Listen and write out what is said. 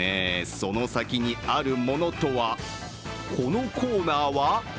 その先にあるものとは、このコーナーは？